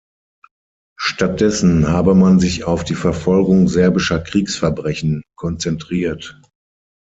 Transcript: Stattdessen habe man sich auf die Verfolgung serbischer Kriegsverbrechen konzentriert.